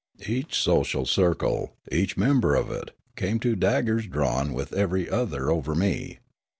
Each social circle, each member of it, came to daggers drawn with every other over me.